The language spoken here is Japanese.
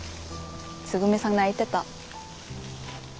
つぐみさん泣いてた。